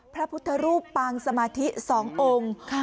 พระพุทธรูปปางสมาธิ๒องค์